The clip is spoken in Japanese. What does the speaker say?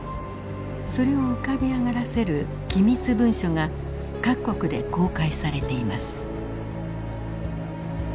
それを浮かび上がらせる機密文書が各国で公開されています。